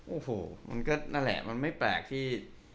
โอ้โหมันก็นั่นแหละมันไม่แปลกที่